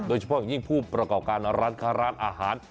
โดยเฉพาะอย่างยิ่งผู้ประกอบการร้านค้าร้านอาหาร